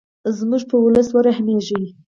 زموږ په ولس ورحمیږې.